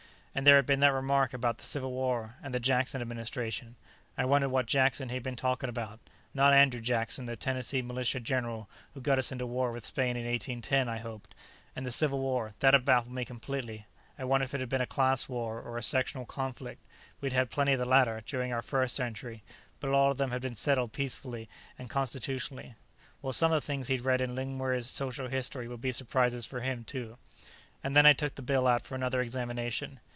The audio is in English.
And there had been that remark about the Civil War and the Jackson Administration. I wondered what Jackson he had been talking about; not Andrew Jackson, the Tennessee militia general who got us into war with Spain in 1810, I hoped. And the Civil War; that had baffled me completely. I wondered if it had been a class war, or a sectional conflict. We'd had plenty of the latter, during our first century, but all of them had been settled peacefully and Constitutionally. Well, some of the things he'd read in Lingmuir's Social History would be surprises for him, too. And then I took the bill out for another examination.